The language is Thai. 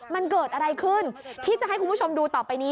มันเกิดอะไรขึ้นที่จะให้คุณผู้ชมดูต่อไปนี้